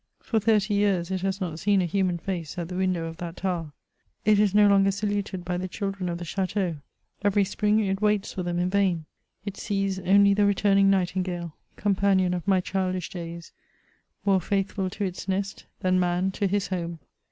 For thirty years it has not seen a human face at the window of that tower. It is no longer saluted by the children of the chateau ; every spring it 108 MEMOIRS OF waits for them in Tain : it sees only the returning nightingale, companion of my childish days, more faithful to its nest than man to his home.